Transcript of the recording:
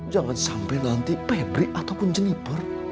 jangan sampai nanti pebri ataupun jenibor